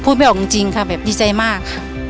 พูดไม่ออกจริงค่ะดีใจมากค่ะ